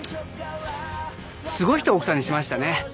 すごい人奥さんにしましたね。